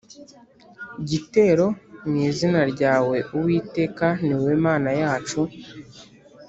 gitero mu izina ryawe Uwiteka ni wowe Mana yacu